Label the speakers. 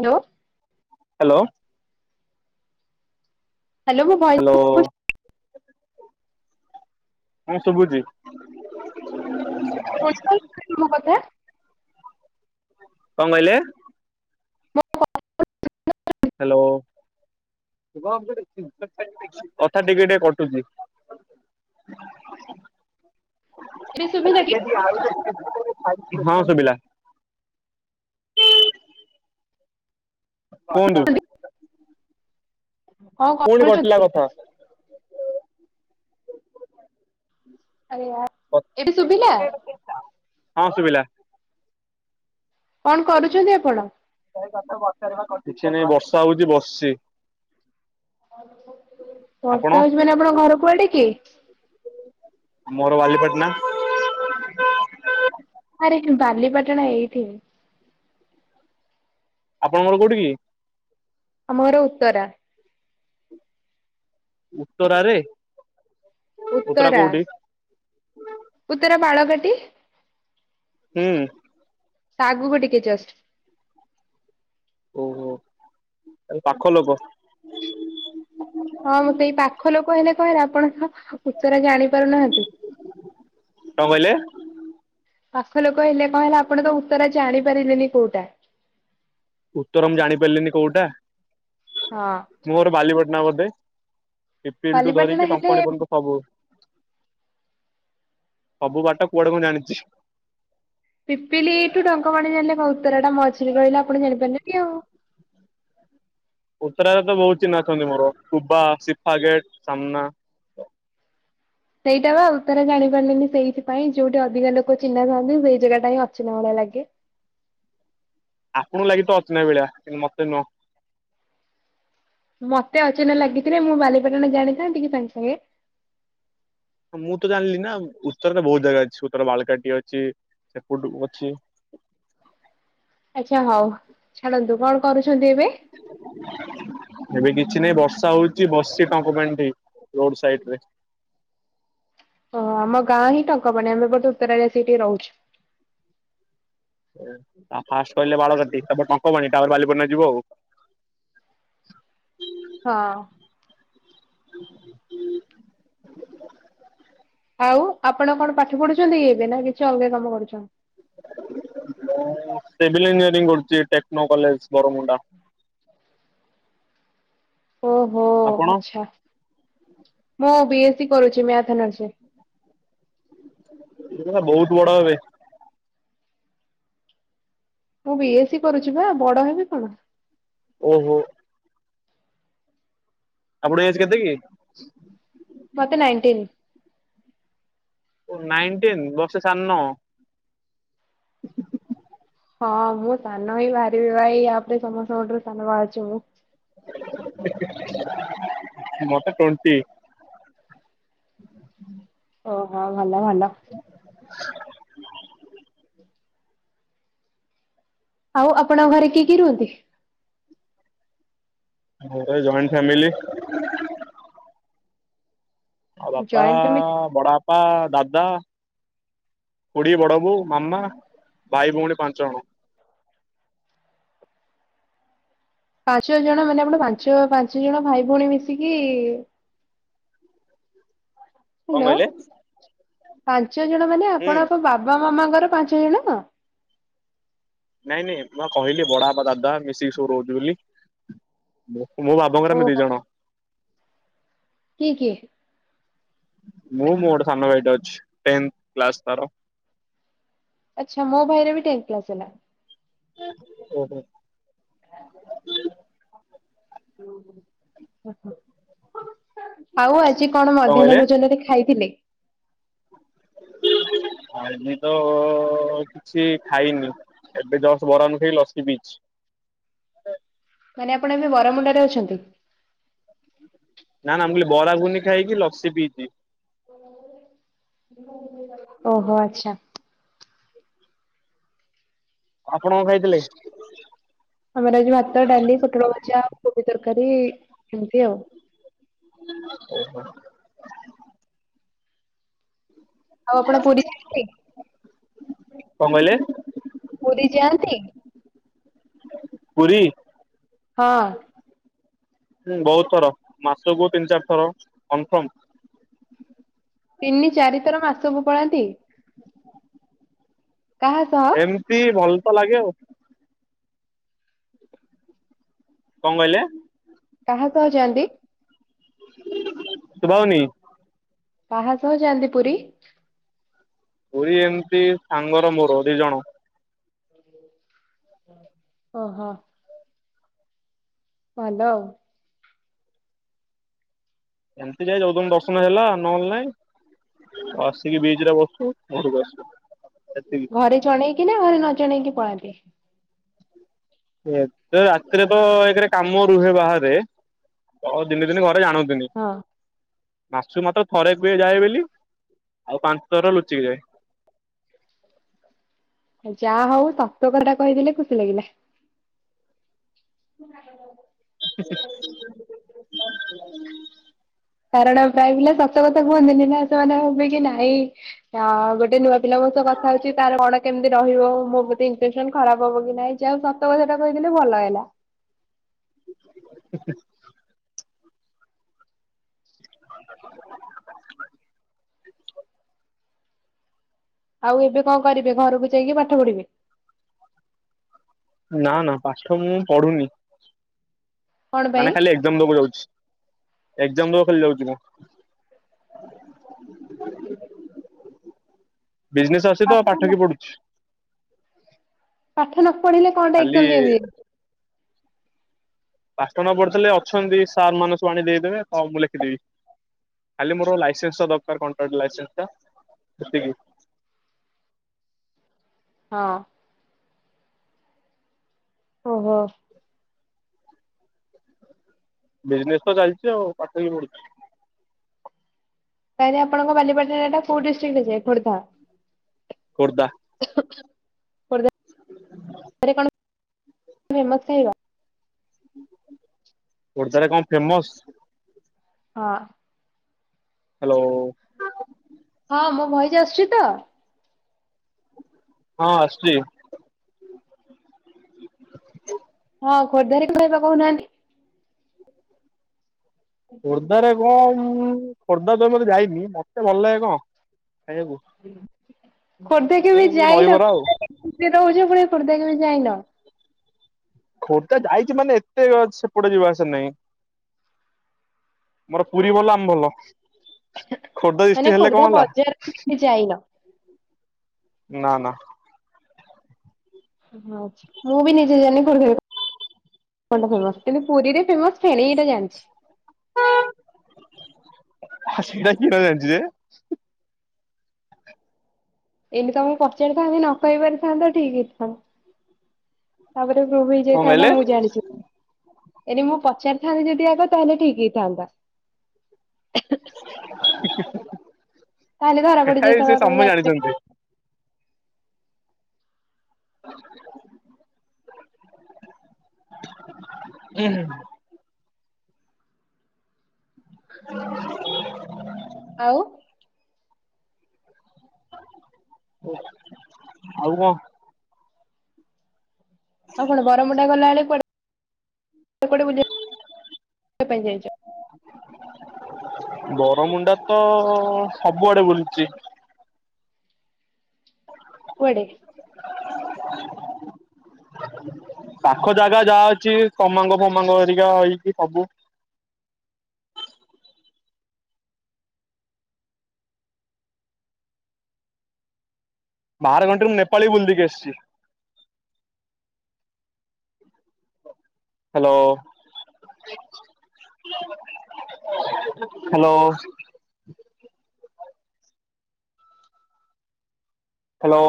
Speaker 1: Hello.
Speaker 2: Hello.
Speaker 1: Hello ମୁଁ ଭ
Speaker 2: ଲୋ। ହଁ ଶୁଭୁଚି।
Speaker 1: [unintelligible]
Speaker 2: କଁ କହିଲେ?
Speaker 1: ହଁ [unintelligible]
Speaker 2: ହାଲୋ। କଥା ଟିକେ ଟିକେ କଟୁଚି।
Speaker 1: [inaudible] ଏବେ ଶୁଭିଲା କି?
Speaker 2: ହଁ ଶୁବିଲା। କୁହନ୍ତୁ।
Speaker 1: କଣ
Speaker 2: ପୁଣି କଟିଲା
Speaker 1: କରୁଛନ୍ତି?
Speaker 2: କଥା।
Speaker 1: ଏଟି ଶୁଭିଲା?
Speaker 2: ହଁ ଶୁଭିଲା।
Speaker 1: କଣ କରୁଛନ୍ତି ଆପଣ?
Speaker 2: କିଛି ନାଇଁ ବର୍ଷା ହୋଉଚି ବସିଚି। ଆପଣ?
Speaker 1: ବର୍ଷା ହଉଚି ମାନେ ଆପଣ ଘର କୁଆଡ଼େ କି?
Speaker 2: ମୋର ବାଲିପାଟନା।
Speaker 1: ଆରେ ବାଲିପାଟଣା ଏଇଠି।
Speaker 2: ଆପଣଙ୍କଘର କୋଉଠି କି?
Speaker 1: ଆମ ଘର ଉତ୍ତରା।
Speaker 2: ଉତ୍ତରାରେ? ଉତ୍ତରା କୋଉଠି?
Speaker 1: ଉତ୍ତର ବାଳକାଟି।
Speaker 2: ହୁଁ।
Speaker 1: ତା ଆଗକୁ ଟିକେ ଜଷ୍ଟ।
Speaker 2: ଓହୋ ତା ହେଲେ ପାଖ ଲୋକ।
Speaker 1: ହଁ ମୁଁ ସେଇ ପାଖ ଲୋକ ହେଲେ କଣ ହେଲା, ଆପଣ ତ ଉତରା ଜାଣିପାରୁନାହାନ୍ତି।
Speaker 2: କଣ କହିଲେ?
Speaker 1: ପାସ ଲୋକ ହେଲେ କଣ ହେଲା ଆପଣ ତ ଉତ୍ତରା ଜାଣିପାରିଲେନି କୋଉଟା।
Speaker 2: ଉତ୍ତର ମୁଁ ଜାଣି ପାରିଲିନି କୋଉଟା?
Speaker 1: ହଁ।
Speaker 2: ମୋର ବାଲିପଟଣା ବୋଧେ। ପିପିଲ ଟୁ
Speaker 1: ବାଲିପାଟଣା
Speaker 2: ଧରିକି
Speaker 1: ହେଲେ
Speaker 2: ଟଙ୍କଣି ପର୍ଯ୍ୟନ୍ତ ସବୁ। ସବୁ ବାଟ କୁଆଡେ ମୁଁ ଜାଣିଚି।
Speaker 1: ପିପିଲି ଠୁ ଡଙ୍କପାଣି ଜାଣିଲେ କଣ ଉତ୍ତରାଟା ମଝିରେ ରହିଲେ ଆପଣ ଜାଣିପାରିଲେନ କି ଆଉ।
Speaker 2: ଉତ୍ତରାରେ ତ ବହୁତ ଚିହ୍ନା ଅଛନ୍ତି ମୋର। କୁବା ସିଫା ଗେଟ୍ ସାମ୍ନା।
Speaker 1: ସେଇଟା ବା ଉତ୍ତରା ଜାଣିପାରିଲେନି ସେଇଥିପାଇଁ। ଯୋଉଠି ଅଧିକା ଲୋକ ଚିହ୍ନା ଥାନ୍ତି ସେଇ ଜାଗା ଟା ହିଁ ଅଛିନା ଭଳିଆ ଲାଗେ।
Speaker 2: ଆପଣଙ୍କୁ ଲାଗି ଥବ ଅଚିହ୍ନା ଭଳିଆ କିନ୍ତୁ ମତେ ନୁହଁ।
Speaker 1: ମତେ ଅଚିହ୍ନା ଲାଗିଥିଲେ ମୁଁ ବାଲିପାଟଣା ଜାଣିଥାନ୍ତି କି ସାଙ୍ଗେ ସାଙ୍ଗେ?
Speaker 2: ହଁ ମୁଁ ତ ଜାଣିଲି ନା ଉତ୍ତର ତ ବହୁତ ଜାଗା ଅଛି। ଉତ୍ତର ବାଳକାଟି ଅଛି ସେପଟୁ ଅଛି
Speaker 1: ଆଚ୍ଛା ହଉ ଛାଡ଼ନ୍ତୁ କଣ କରୁଚନ୍ତି ଏବେ?
Speaker 2: ଏବେ କିଛି ନାହିଁ ବର୍ଷା ହଉଚି ବସିଚି ଟଙ୍କପାଇଁଠି ରୋଡ ସାଇଡ ରେ।
Speaker 1: ଓହୋ ଆମ ଗାଁ ହିଁ ଟଙ୍କପାଣି। ଆମେ ବଟ ଉତ୍ତରା ରେ ସେଇଠି ରହୁଚୁ।
Speaker 2: ଓ ଆ ଫାଷ୍ଟ କହିଲେ ବାଳକାଟି ତାପରେ ଟଙ୍କପାଣି ତାପରେ ବାଲିପାଟଣା ଯିବ ଆଉ।
Speaker 1: ହଁ।
Speaker 2: ହୁଁ
Speaker 1: ଆଉ ଆପଣ କଣ ପାଠ ପଢୁଚନ୍ତି କି ଏବେ ନା କିଛି ଅଲଗା କାମ କରୁଚନ୍ତି?
Speaker 2: ମୁଁ ସିଭିଲ୍ ଇଞ୍ଜିନିୟରିଂ କରୁଚି ଟେକ୍ନୋ କଲେଜ ବରମୁଣ୍ଡା।
Speaker 1: ଓହୋ
Speaker 2: ଆପଣ
Speaker 1: ଆଚଛା। ମୁଁ ବି ଏସ୍ ସି କରୁଚି ମ୍ୟାଥ ଅନର୍ଷ ରେ।
Speaker 2: ର ବହୁତ ବଡ ହେବେ।
Speaker 1: ମୁଁ ବି ଏସ୍ ସି କରୁଚି ବା ବଡ ହେବି କଣ?
Speaker 2: ଓହୋ। ଆପଣ ଏଜ୍ କେତେ କି?
Speaker 1: ମୋତେ ନାଇଣ୍ଟିନ୍।
Speaker 2: ଓଃ ନାଇନଟିନ୍ ବର୍ଷେ ସାନ।
Speaker 1: ହଁ ମୁଁ ସାନ ହିଁ ବାହାରିବି ଭାଇ। ୟାପରେ ସମସ୍ତଙ୍କଠାରୁ ସାନ ବାହାରୁଚି ମୁଁ।
Speaker 2: ମୋତେ ଟ୍ୱଣ୍ଟି। [inaudible]
Speaker 1: ଓ ହଁ ଭଲ ଭଲ୍। ଆଉ ଆପଣଙ୍କ ଘରେ କିଏ କିଏ ରୁହନ୍ତି?
Speaker 2: ଘରେ ଜଏଣ୍ଟ ଫ୍ୟାମିଲି। ଆ ବାପା
Speaker 1: ଜଏଣ୍ଟ ଫ୍ୟାମିଲି
Speaker 2: ବଡ଼ାବାପା ଦାଦା ଖୁଡି ବଡ ବୋଉ ମାମା ଭାଇ ଭଉଣୀ ପାଞ୍ଚ ଜଣ।
Speaker 1: ପାଞ୍ଚ ଜଣ ମାନେ ଆପଣ ପାଞ୍ଚ ପାଞ୍ଚ ଜଣ ଭାଇ ଭଉଣୀ ମିଶିକି
Speaker 2: କଣ
Speaker 1: ହ୍ୟାଲୋ
Speaker 2: କହିଲେ?
Speaker 1: ପାଞ୍ଚ ଜଣ ମାନେ
Speaker 2: ହୁଁ
Speaker 1: ଆପଣଙ୍କ ବାବା ମାମାଙ୍କର ପାଞ୍ଚ ଜଣ?
Speaker 2: ନାଇଁ ନାଇଁ ମୁଁ ପା କହିଲି ବଡା ବାପା ଦାଦା ମିଶିକି ସବୁ ରହୁଚି ବୋଲି। ମୋ ମୋ ବାବାଙ୍କର ଆମେ ଦି
Speaker 1: ଓହୋ
Speaker 2: ଜଣ।
Speaker 1: କିଏ କିଏ?
Speaker 2: ମୁଁ ମୋର ସାନ ଭାଇ ଟେ ଅଛି ଟେନ୍ଥ କ୍ଲାସ ତାର।
Speaker 1: ଆଚ୍ଛା ମୋ ଭାଇର ବି ଟେଁନ୍ଥ କ୍ଲାସ୍ ହେଲା।
Speaker 2: ଓ ହୋ।
Speaker 1: ଉଁ ହୁଁ। ଆଉ ଆଜି କଣ
Speaker 2: କହିଲେ?
Speaker 1: ମଧ୍ୟାହ୍ନ ଭୋଜନରେ ଖାଇଥିଲେ?
Speaker 2: ଆଜି ତ କିଛି ଖାଇନି। ଏବେ ଜଷ୍ଟ୍ ବରାନୁ ଖାଇ ଲସି ପୀଇଚି।
Speaker 1: ଭାଇନା ଆପଣ ଏବେ ବରମୁଣ୍ଡା ରେ ଅଛନ୍ତି?
Speaker 2: ନା ନା ମୁଁ କଲି ବରା ଗୁଗୁନି ଖାଇକି ଲସି ପିଇଚି।
Speaker 1: ଓହୋ ଆଚ୍ଛା।
Speaker 2: ଆପଣ ଖାଇଥିଲେ?
Speaker 1: ଆମର ଆଜି ଭାତ ଡାଲି ପୋଟଳ ଭଜା କୋବି ତରକାରୀ ଏମତି ଆଉ।
Speaker 2: [inaudible] ହୁଁ
Speaker 1: ଆଉ ଆପଣ ପୁରୀ ଯାଇଥିଲେ?
Speaker 2: କଣ କହିଲେ?
Speaker 1: ପୁରୀ ଯାଆନ୍ତି?
Speaker 2: ପୁରୀ?
Speaker 1: ହଁ।
Speaker 2: ହୁଁ ବହୁତ ଥର ମାସକୁ ତିନି ଚାରି ଥର କନଫର୍ମ।
Speaker 1: ତିନି ଚାରି ଥର ମାସକୁ ପଳାନ୍ତି? କାହା ସହ?
Speaker 2: ରି ଭଲ ତ ଲାଗେ ଆଉ। କଣ କହିଲେ?
Speaker 1: କାହା ସହ ଯାଆନ୍ତି?
Speaker 2: ଶୁଭା ଯାଉନି?
Speaker 1: କାହା ସହ ଯାଆନ୍ତି ପୁରୀ?
Speaker 2: ପୁରୀ ଏମିତି ସାଙ୍ଗର ମୋର ଦି ଜଣ।
Speaker 1: ହ [unintelligible] ଓ ହୋ। ଭଲ ଆଉ।
Speaker 2: ଏମିତି ଯାଇ ଯୋଉଦିନ ଦର୍ଶନ ହେଇଗଲା ନହେଲେ ନାଇଁ। ଆସିକି ବିଚ୍ ରେ ବସୁ ଘରକୁ ଆସୁ ଏତିକି।
Speaker 1: ଘରେ ଜଣେଇକି ନା ଘରେ ନ ଜଣେଇକି ପଳାନ୍ତି?
Speaker 2: ଏତେ ରାତିରେ ତ ଏକରେ କାମ ରୁହେ ବାହାରେ ଆଉ ଦିନେ ଦିନ ଘ ରେ ଜାଣନ୍ତିନି।
Speaker 1: ହଁ
Speaker 2: ମାସକୁ ମାତ୍ର ଥରେ କୁହେ ଯାଏ ବୋଲି ଆଉ ପାଞ୍ଚ ଥର ଲୁଚିକି ଯାଏ।
Speaker 1: ଯାହା ହଉ ସତ କଥାଟା କହିଦେଲେ ଖୁସି ଲାଗିଲା। ହାଲୋ।
Speaker 2: ଆା [unintelligible]
Speaker 1: [inaudible] କାରଣ ପ୍ରାୟ ପିଲା ସତ କଥା କୁହନ୍ତିନି ନା। ସେମାନେ ଭବିବେ କି ନାଇଁ ଆ ଗୋଟେ ନୂଆ ପିଲା ମୋ ସହ କଥା ହଉଚଛି। ତାର କଣ କେମିତି ରହିବ ମୋ ପ୍ରତି ଇମ୍ପ୍ରେସନ ଖରାପ ହବ କି ନାଇଁ? ଯାହାହଉ ସତ କଥା ଟା କହିଦେଲି ଭଲ ହେଲା।
Speaker 2: ହ [unintelligible] [inaudible]
Speaker 1: ଆଉ ଏବେ କଣ କରିବେ ଘରକୁ ଯାଇକି ପାଠ ପଢିବେ?
Speaker 2: ନା ନା ପାଠ ମୁଁ ପଢୁନି।
Speaker 1: କଣ ପାଇଁ?
Speaker 2: ମାନେ ଖାଲି ଏ ଗ୍ଜାମ୍ ଦବାକୁ ଯାଉଛି। ଏଗ୍ଜାମ୍ ଦବାକୁ ଖାଲି ଯାଉଛି ମୁଁ। ବିଜନେସ୍ ଅଛି ତ ପାଠ କିିଏ ପଢୁଛି?
Speaker 1: ପାଠ ନ ପଢିଲେ କଣ ଟା
Speaker 2: ଖାଲି
Speaker 1: ଏକ୍ଜାମ ଦିଅନ୍ତିି?
Speaker 2: ପାଠ ନ ପଢିଥିଲେ, ଅଛନ୍ତି ସାର୍ ମାନେ ସବୁ ଆଣି ଦେଇଦେବେ ତ ମୁଁ ଲେଖିଦେବି। ଖାଲି ମୋର ଲାଇସେନ୍ସ୍ ଟା ଦରକାର, କଣ୍ଟ୍ରାକ୍ଟର ଲସେନ୍ସ୍ ଟା ସେତିକି।
Speaker 1: ହଁ। ଓହୋ।
Speaker 2: ବିଜନେସ୍ ତ ଚାଲିଛି ଆଉ। ପାଠ ବି ପଢୁଛି।
Speaker 1: ତାହଲେ ଆପଣଙ୍କ ବାଲିପାଟଣା ଟା କୋଉ ଡିଷ୍ଟ୍ରିକ୍ଟ ରେ ଯାଏ? ଖୋର୍ଦ୍ଧା?
Speaker 2: ଖୋର୍ଦ୍ଧା।
Speaker 1: ଖୋର୍ଦ୍ଧା ରେ କଣ ଫେମସ୍ ଖାଇବା?
Speaker 2: ଖୋର୍ଦ୍ଧାରେ କଣ ଫେମସ?
Speaker 1: ହଁ।
Speaker 2: ହାଲୋ।
Speaker 1: ହଁ ମୋ ଭଏଜ ଆସୁଛି ତ?
Speaker 2: ହଁ ଆସୁଚି।
Speaker 1: ହଁ ଖୋର୍ଦ୍ଧାରେ କଣ ଖାଇବା କହୁନାହାନ୍ତି?
Speaker 2: ଖୋର୍ଦ୍ଧାରେ କଣ? ମୁଁ ଖୋର୍ଦ୍ଧା ଜମାରୁ ଯାଇନି। ମତେ ଭଲ ଲାଗେ କଣ ଖାଇବାକୁ?
Speaker 1: ଖୋର୍ଦ୍ଧା କେବେ ଯାଇନ?
Speaker 2: ଦହିବରା ଆଉ
Speaker 1: [inaudible] ରହୁଛ ପୁଣି ଖୋର୍ଦ୍ଧା କେବେ ଯାଇନ?
Speaker 2: ଖୋର୍ଦ୍ଧା ଯାଇଛି ମାନେ ଏତେ ସେପଟେ ଯିବା ଆସେ ନାହିଁ। ମୋର ପୁରୀ ଭଲା ଆମ ଭଲ। ଖୋର୍ଦ୍ଧା
Speaker 1: ମାନେ
Speaker 2: ଡିଷ୍ଟ୍ରିକ୍ ହେଲେ
Speaker 1: ଖୋର୍ଦ୍ଧା
Speaker 2: କଣ ହେଲା?
Speaker 1: ବଜାର କେବେ ଯାଇନ?
Speaker 2: ନା ନା।
Speaker 1: ହଁ ମୁଁ ବି ନିଜେ ଜାଣିନି ଖୋର୍ଦ୍ଧାରେ କଣ ଟା ଫେମସ? କିନ୍ତୁ ପୁରୀରେ ଫେମସ ଫେଣି ଏଇଟା ଜାଣିଛି।
Speaker 2: ହ ସେଇଟା କିଏ ନ ଜାଣିଛି ଯେ।
Speaker 1: ଏମିତି ତମକୁ ପଚାରିଥାନ୍ତି ନ କହି ପାରିଥାନ୍ତ ଠିକ ହେଇଥାନ୍ ତାପରେ ପ୍ରୁଭ୍
Speaker 2: କଣ
Speaker 1: ହେଇଯାଇଥାନ୍ତା
Speaker 2: କହିଲେ
Speaker 1: ମୁଁ ଜାଣିଛି। [unintelligible] ଏଇନେ ମୁଁ ପଚାରିଥାନ୍ତି ଯଦି ଆଗ ତାହେଲେ ଠିକ୍ ହେଇ ଥାନ୍ତା।
Speaker 2: ସେଟା
Speaker 1: ତାହେଲେ ଧରା ପଡି
Speaker 2: [unintelligible] ସେ
Speaker 1: ଯାଇଥାନ୍ତା ତମେ
Speaker 2: ସମୟ
Speaker 1: ଜାଣିଛ
Speaker 2: ଜାଣିଛନ୍ତି। [inaudible] ଏ [inaudible] [unintelligible]
Speaker 1: ଆଉ?
Speaker 2: ହଉ। ଆଉ କଣ?
Speaker 1: ଆଉ କଣ ବରମୁଣ୍ଡା ଗଲାବେଳେ କୁଆଡେ କୁଆଡ଼େ ବୁଲିବା ପାଇଁ ଯାଇଛ?
Speaker 2: ବରମୁଣ୍ଡା ତ ସବୁଆଡେ ବୁଲିଛି।
Speaker 1: କୁଆଡେ? [inaudible]
Speaker 2: ପାଖ ଜାଗା ଯାହା ଅଛି ତମାଙ୍ଗ ଫମାଙ୍ଗ ଏରିକା ହେଇକି ସବୁ। ବାହାରଘଣ୍ଟରେ ମୁଁ ନେପାଳୀ ବୁଲଦେଇକି ଆସିଚି। Hello, hello. ହାଲୋ।